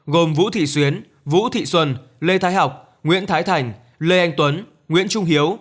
gồm vũ thị xuyến vũ thị xuân lê thái học nguyễn thái thành lê anh tuấn nguyễn trung hiếu